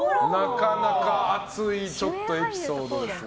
なかなか熱いエピソードですが。